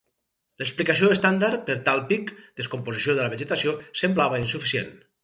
L'explicació estàndard per tal pic —descomposició de la vegetació— semblava insuficient.